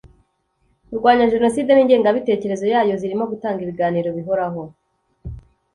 kurwanya Jenoside n ingengabitekerezo yayo zirimo gutanga ibiganiro bihoraho